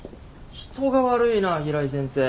人が悪いな平井先生。